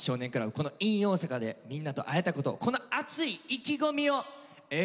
この「ｉｎ大阪」でみんなと会えたことこの熱い意気込みをＡぇ！